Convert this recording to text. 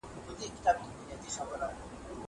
ليک ولوله!!